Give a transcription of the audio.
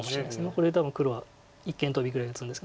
ここで多分黒は一間トビぐらい打つんですけど。